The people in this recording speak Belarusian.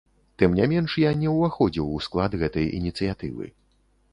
Тым не менш, я не ўваходзіў у склад гэтай ініцыятывы.